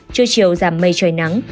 trưa chiều giảm mây trời nắng